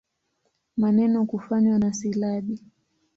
Maneno kufanywa na silabi.